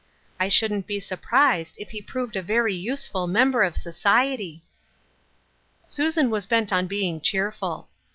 I shouldn't be surprised if he proved a very useful member of society." Susan was bent on being cheerful.